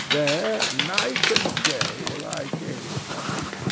There night and day will I gaze upon it.